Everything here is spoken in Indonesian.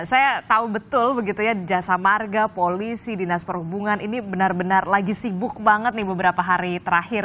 saya tahu betul begitu ya jasa marga polisi dinas perhubungan ini benar benar lagi sibuk banget nih beberapa hari terakhir